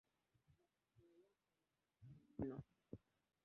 Matokeo yake ni hatari mno.